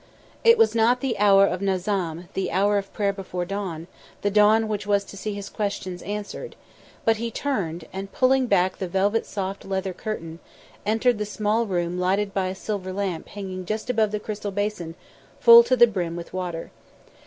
It was not the Hour of Nazam, the Hour of Prayer before dawn, the dawn which was to see his questions answered, but he turned and, pulling back the velvet soft leather curtain, entered the small room lighted by a silver lamp hanging just above the crystal basin full to the brim with water.